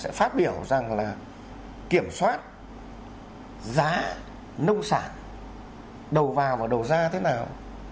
sẽ phát biểu rằng là kiểm soát giá nông sản đầu vào và đầu ra thế nào